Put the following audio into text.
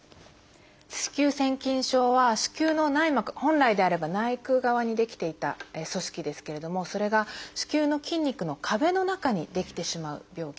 子宮腺筋症は子宮の内膜本来であれば内腔側に出来ていた組織ですけれどもそれが子宮の筋肉の壁の中に出来てしまう病気です。